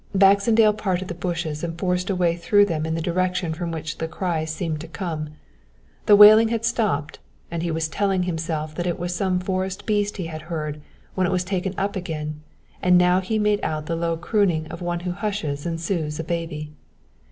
"Baxendale parted the bushes and forced a way through them in the direction from which the cries seemed to come. The wailing had stopped, and he was telling himself that it was some forest beast he had heard when it was again taken up, and now he made out the low crooning of one who hushes and soothes a baby.